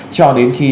cho đến khi